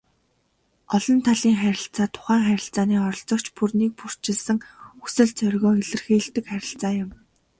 Олон талын харилцаа тухайн харилцааны оролцогч бүр нэгбүрчилсэн хүсэл зоригоо илэрхийлдэг харилцаа юм.